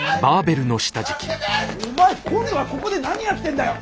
お前今度はここで何やってんだよ。